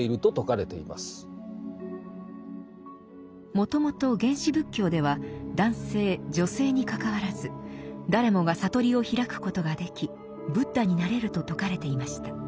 もともと原始仏教では男性女性にかかわらず誰もが覚りを開くことができ仏陀になれると説かれていました。